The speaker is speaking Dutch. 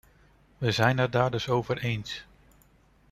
We zijn het daar dus over eens.